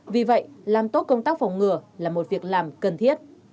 vì vậy làm tốt công tác phòng ngừa là một việc làm cần thiết